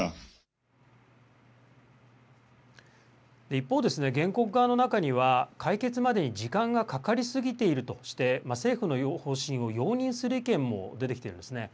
一方、原告側の中には、解決までに時間がかかり過ぎているとして、政府の方針を容認する意見も出てきているんですね。